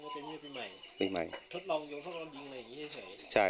ทดลองยิงอะไรอย่างนี้ให้ใช้